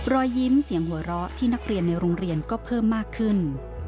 รอยยิ้มเสียงหัวเราะที่นักเรียนในโรงเรียนก็เพิ่มมากขึ้น